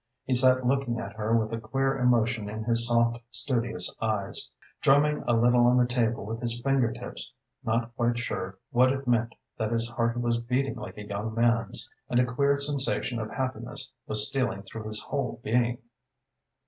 He sat looking at her with a queer emotion in his soft, studious eyes, drumming a little on the table with his finger tips, not quite sure what it meant that his heart was beating like a young man's and a queer sensation of happiness was stealing through his whole being.